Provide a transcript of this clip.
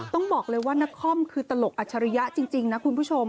ต้องบอกเลยว่านักคอมคือตลกอัชริยะจริงนะคุณผู้ชม